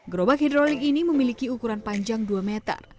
gerobak hidrolik ini memiliki ukuran panjang dua meter